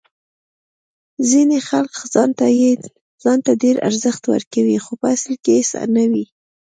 ځینې خلک ځان ته ډیر ارزښت ورکوي خو په اصل کې هیڅ نه وي.